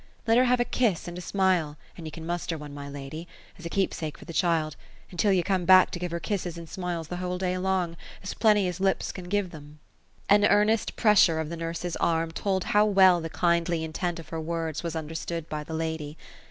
Let her have a kiss and a smile, an ye can muster one, my lady, as a keepsake for the child, until ye come back to give her kisses and smiles the whole day long, as plenty as lips can give them." An earnest pressure of the nurse's arm, told how well the kindly intent of her words was understood by the lady.